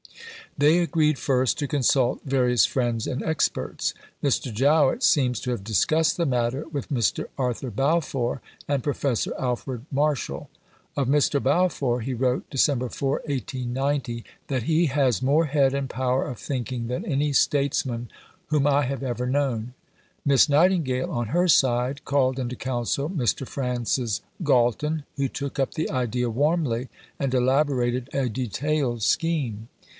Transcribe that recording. They agreed first to consult various friends and experts. Mr. Jowett seems to have discussed the matter with Mr. Arthur Balfour and Professor Alfred Marshall. Of Mr. Balfour, he wrote (Dec. 4, 1890) that "he has more head and power of thinking than any statesman whom I have ever known." Miss Nightingale on her side called into council Mr. Francis Galton, who took up the idea warmly and elaborated a detailed scheme.